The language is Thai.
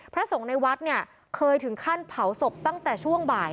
พระทรงในวัดเคยถึงขั้นเผาศพตั้งแต่ช่วงบ่าย